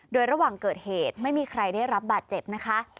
โดยระหว่างเกิดเหตุไม่มีใครได้รับบาดเจ็บนะคะ